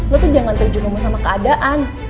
lo tuh jangan terjun ngomong sama keadaan